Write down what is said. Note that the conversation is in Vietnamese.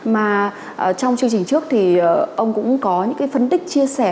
mà trong chương trình trước thì ông cũng có những cái phân tích chia sẻ